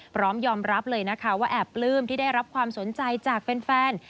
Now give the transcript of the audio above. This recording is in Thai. พร้อมยอมรับเลยนะคะว่าแอบปลื้มที่ได้รับความสนใจจากแฟน